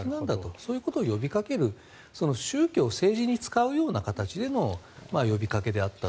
そういうことを呼びかける宗教を政治に使うような形での呼びかけであったと。